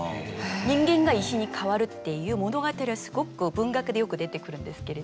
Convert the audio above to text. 人間が石に変わるっていう物語はすごく文学でよく出てくるんですけれども。